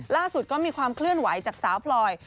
ล่าสุดก็มีความเคลื่อนไหวจากสาวพลอย